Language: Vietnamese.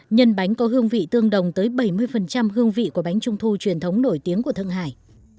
nhân bánh có hương vị tương đồng tới bảy mươi hương vị của bánh trung thu truyền thống nổi tiếng của thương hải